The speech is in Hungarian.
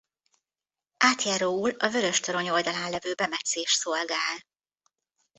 Átjáróul a Vörös-torony oldalán levő bemetszés szolgál.